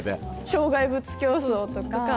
障害物競走とか。